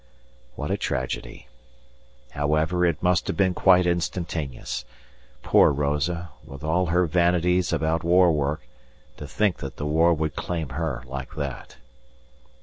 What a tragedy! However, it must have been quite instantaneous. Poor Rosa, with all her vanities about war work, to think that the war would claim her like that!